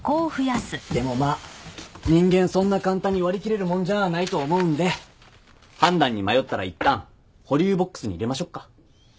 でもまあ人間そんな簡単に割り切れるもんじゃあないと思うんで判断に迷ったらいったん保留ボックスに入れましょっか。